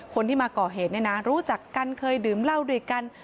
คนที่มาก่อเหตุเนี่ยนะรู้จักกันเคยดื่มเหล้าด้วยกัน